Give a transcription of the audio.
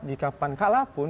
jika pan kalah pun